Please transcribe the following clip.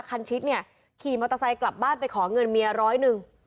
คันชิดเนี่ยขี่มอเตอร์ไซค์กลับบ้านไปขอเงินเมียร้อยหนึ่ง